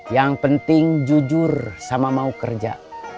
yang penting jujur sama mau kerja